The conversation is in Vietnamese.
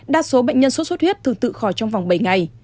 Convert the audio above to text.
đa số bệnh nhân sốt xuất huyết thường tự khỏi trong vòng bảy ngày